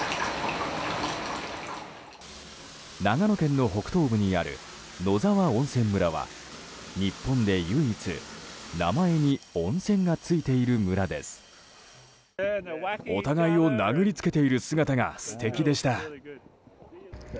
長野県の北東部にある野沢温泉村は日本で唯一名前に温泉がついている村です。